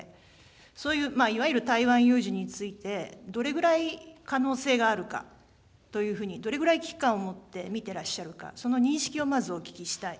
そういう、いわゆる台湾有事について、どれぐらい可能性があるかというふうに、どれぐらい危機感を持って見てらっしゃるか、その認識をまずお聞きしたい。